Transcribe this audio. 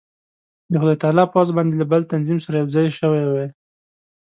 د خدای تعالی پوځ باید له بل تنظیم سره یو ځای شوی وای.